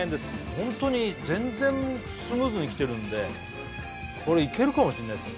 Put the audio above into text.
ホントに全然スムーズにきてるんでこれいけるかもしれないですよ